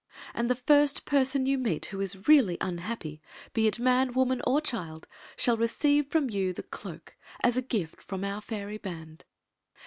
And the first person you meet who is really unhappy, be it man, woman, or child, shall receive from you the cloak as a gift from our fairy band."